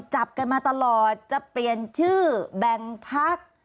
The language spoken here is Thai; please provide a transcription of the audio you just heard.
จับกันมาตลอดจะเปลี่ยนชื่อแบ่งพัก